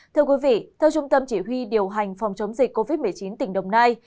thưa quý vị theo trung tâm chỉ huy điều hành phòng chống dịch covid một mươi chín tỉnh đồng nai